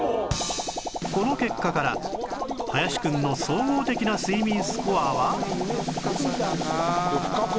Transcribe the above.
この結果から林くんの総合的な睡眠スコアは